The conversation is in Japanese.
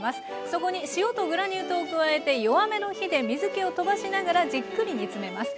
そこに塩とグラニュー糖を加えて弱めの火で水けをとばしながらじっくり煮詰めます。